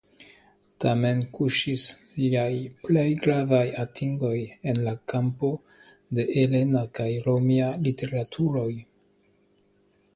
Tamen kuŝis liaj plej gravaj atingoj en la kampo de helena kaj romia literaturoj.